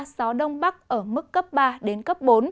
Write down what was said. gió đông bắc ở mức cấp ba bốn